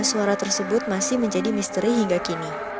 suara tersebut masih menjadi misteri hingga kini